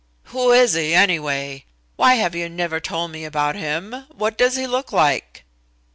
"Who is he, anyway? Why have you never told me about him? What does he look like?"